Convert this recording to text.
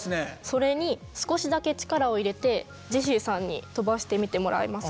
それに少しだけ力を入れてジェシーさんに飛ばしてみてもらえますか？